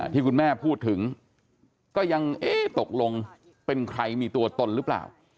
ที่คุณแม่พูดถึงก็ยังเอ๊ะตกลงเป็นใครมีตัวตนหรือเปล่า